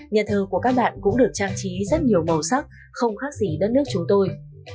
nhà thơ của các bạn cũng được trang trí rất nhiều màu sắc không khác gì đất nước chúng tôi